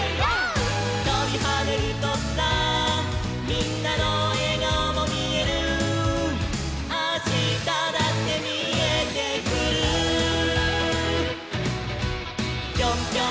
「」「とびはねるとさみんなのえがおもみえる」「あしただってみえてくる」「ぴょんぴょんぴょんぴょんとびとび」